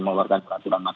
mengeluarkan peraturan ma